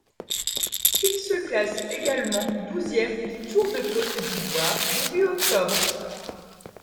Il se classe également douzième du Tour de Côte d'Ivoire début octobre.